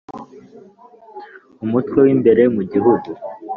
Umutwe w imbere mu gihugu